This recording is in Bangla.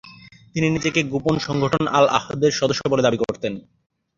তিনি নিজেকে গোপন সংগঠন আল-আহদের সদস্য বলে দাবি করতেন।